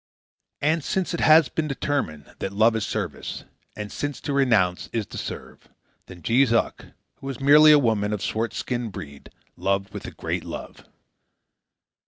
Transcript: And since it has been determined that love is service, and since to renounce is to serve, then Jees Uck, who was merely a woman of a swart skinned breed, loved with a great love.